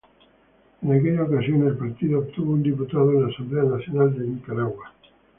En aquella ocasión, el partido obtuvo un diputado en la Asamblea Nacional de Nicaragua.